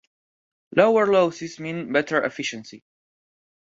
Lower losses mean better efficiency.